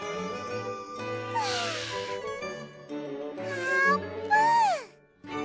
あーぷん！